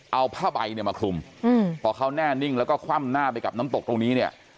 เอาผ้าใบเนี่ยมาคลุมพอเขาแน่นิ่งแล้วก็คว่ำหน้าไปกับน้ำตกตรงนี้เนี่ย